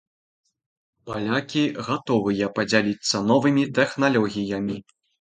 Палякі гатовыя падзяліцца новымі тэхналогіямі.